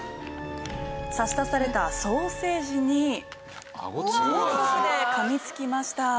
差し出されたソーセージに高速で噛みつきました。